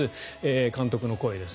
監督の声です。